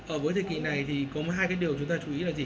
ở với dự kỳ này thì có hai cái điều chúng ta chú ý là gì